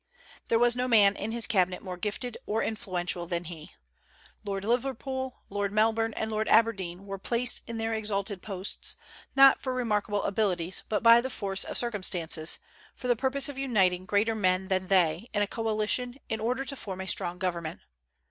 There was no man in his cabinet more gifted or influential than he. Lord Liverpool, Lord Melbourne, and Lord Aberdeen were placed in their exalted posts, not for remarkable abilities, but by the force of circumstances, for the purpose of uniting greater men than they in a coalition in order to form a strong government.